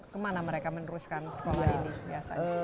kemana mereka meneruskan sekolah ini biasanya